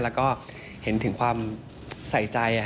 แล้วก็เห็นถึงความใส่ใจ